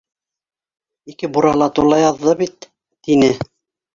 Ике бура ла тула яҙҙы бит, — тине.